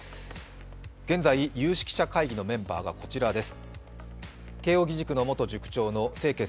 現在、有識者会議のメンバーがこちらです。